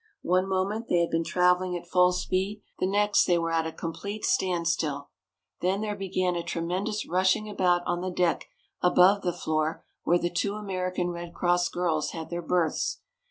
One moment they had been traveling at full speed, the next they were at a complete standstill. Then there began a tremendous rushing about on the deck above the floor where the two American Red Cross girls had their berths.